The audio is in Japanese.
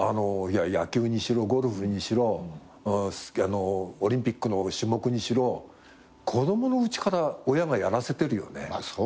いや野球にしろゴルフにしろオリンピックの種目にしろ子供のうちから親がやらせてるよね。